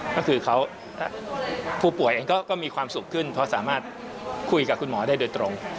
ก็คือเขาผู้ป่วยเองก็มีความสุขขึ้นเพราะสามารถคุยกับคุณหมอได้โดยตรง